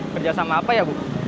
kerja sama apa ya bu